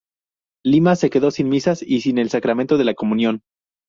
Lima se quedó sin misas y sin el sacramento de la comunión.